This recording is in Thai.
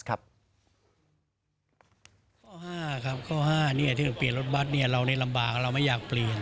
ข้อ๕ข้อ๕ครับข้อ๕ที่เราเปลี่ยนรถบัตรเราได้ลำบากเราไม่อยากเปลี่ยน